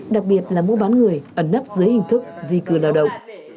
đặc biệt là mua bán người ẩn nấp dưới hình thức di cư lao động